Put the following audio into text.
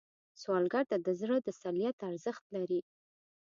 سوالګر ته د زړه تسلیت ارزښت لري